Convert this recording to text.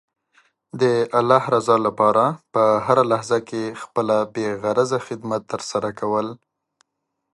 د الله رضا لپاره په هره لحظه کې خپله بې غرضه خدمت ترسره کول.